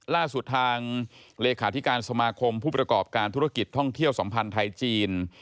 ล่าสุดทางเลขาธิการสมาคมผู้ประกอบการธุรกิจท่องเที่ยวสัมพันธ์ไทยจีน